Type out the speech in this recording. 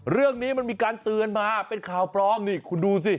เรื่องนี้มันมีการเตือนมาเป็นข่าวปลอมนี่คุณดูสิ